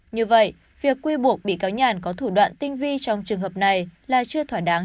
như vậy việc quy buộc bị cáo nhàn có thủ đoạn tinh vi trong trường hợp này là chưa thỏa đáng